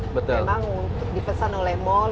memang dipesan oleh mall